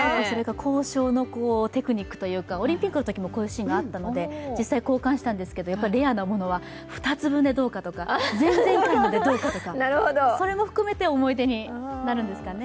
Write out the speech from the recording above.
交渉のテクニックというか、オリンピックの時もこういうシーンがあったので、実際交換したんですけど、レアなものは２つ分でどうかとか、それも含めて思い出になるんですかね。